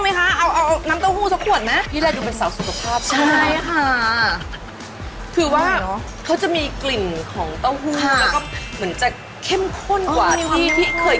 และจะถูกปากคนไทยด้วย